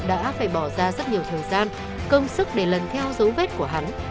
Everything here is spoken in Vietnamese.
đã phải bỏ ra rất nhiều thời gian công sức để lần theo dấu vết của hắn